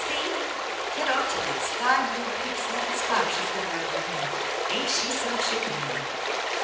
See ? Get onto that sky blue pink satin scarf she's got around her head? Ain't she some chicken, though?"